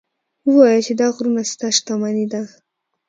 ووایه چې دا غرونه ستا شتمني ده.